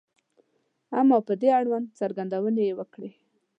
• اما په دې اړوند څرګندونې یې وکړې.